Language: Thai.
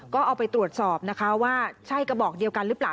ก็เอาไปตรวจสอบนะคะว่าใช่กระบอกเดียวกันหรือเปล่า